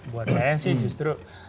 buat saya sih justru